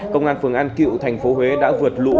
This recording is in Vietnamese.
công an phường an kiệu thành phố huế đã vượt lũ